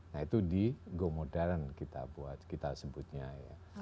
nah itu di go modern kita sebutnya ya